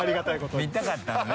見たかったんだね。